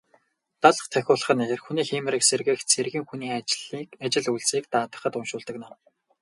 Далха тахиулах нь эр хүний хийморийг сэргээх, цэргийн хүний ажил үйлсийг даатгахад уншуулдаг ном.